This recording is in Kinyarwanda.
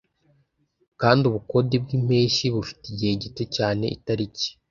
kandi ubukode bwimpeshyi bufite igihe gito cyane itariki: